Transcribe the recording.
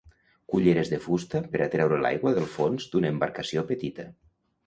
Culleres de fusta per a treure l'aigua del fons d'una embarcació petita.